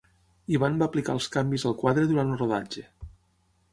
Ivan va aplicar els canvis al quadre durant el rodatge.